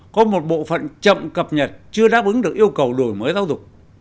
có một bộ phận chậm cập nhật chưa đáp ứng được yêu cầu đổi mới giáo dục